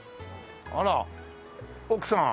あらっ奥さん。